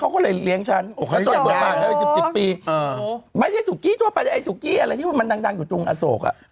ไม่ใช่สุกี้ทั่วไปนะไอสุกี้อะไรนั่งอยู่ตรงอโศกอะ